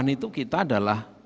dua ribu delapan itu kita adalah